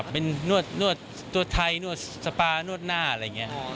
เป็นนวดไทยตนวดซาปาร์นวดหน้าอะไรอย่างนี้